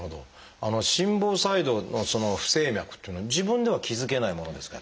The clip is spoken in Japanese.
心房細動のその不整脈っていうのは自分では気付けないものですか？